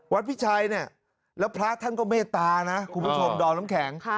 พิชัยเนี่ยแล้วพระท่านก็เมตตานะคุณผู้ชมดอมน้ำแข็ง